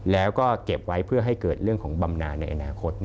แล้วก็เก็บไว้เพื่อให้เกิดเรื่องของบำนานในอนาคต